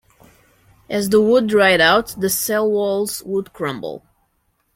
As the wood dried out, the cell walls would crumble.